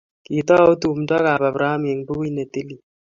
Kitau tumndo Kap Abraham eng' pukuit ne tilil.